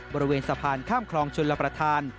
บริเวณสะพานข้ามคลองชนรับประทาน